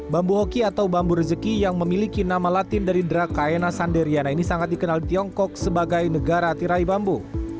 bambu hoki atau bambu rezeki yang memiliki nama latin dari dracaena sanderiana ini sangat dikenal tiongkok sebagai negara tirai bambu